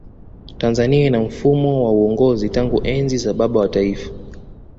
tanzania ina mfumo wa uongozi tangu enzi za baba wa taifa